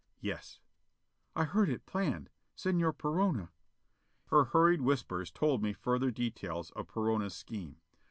"Yes." "I heard it planned. Señor Perona " Her hurried whispers told me further details of Perona's scheme.